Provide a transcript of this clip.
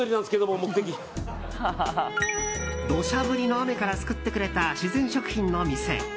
土砂降りの雨から救ってくれた自然食品の店。